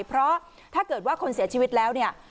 เพราะถ้าเกิดว่าคนเสียชีวิตแล้วเนี่ย